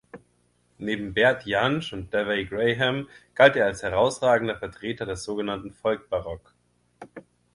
Neben Bert Jansch und Davey Graham galt er als herausragender Vertreter des sogenannten „Folk-Baroque“.